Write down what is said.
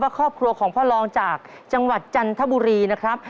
ครอบครัวของพ่อรองจากจังหวัดจันทบุรีนะครับ